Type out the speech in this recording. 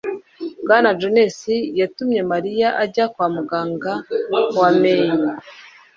Bwana Jones yatumye Mariya ajya kwa muganga wamenyo